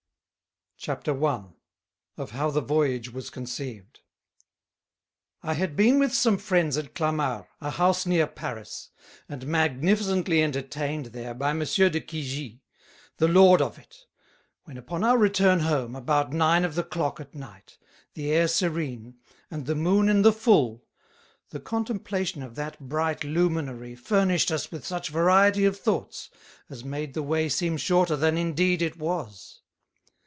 CHAPTER I. Of how the Voyage was Conceived. I Had been with some Friends at Clamard, a House near Paris, and magnificently Entertain'd there by Monsieur de Cuigy, the Lord of it; when upon our return home, about Nine of the Clock at Night, the Air serene, and the Moon in the Full, the Contemplation of that bright Luminary furnished us with such variety of Thoughts as made the way seem shorter than, indeed, it was.